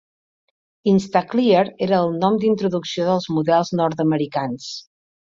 "Instaclear" era el nom d'introducció dels models nord-americans.